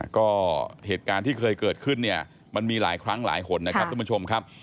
ก็เหตุการณ์ที่เคยเกิดขึ้นเนี่ยมันมีหลายครั้งหลายหนนะครับทุกผู้ชมครับ